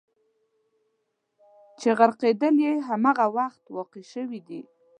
چې غرقېدل یې همغه وخت واقع شوي دي.